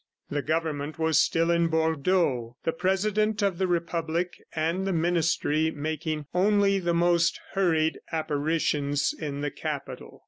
The Government was still in Bordeaux, the President of the Republic and the Ministry making only the most hurried apparitions in the Capital.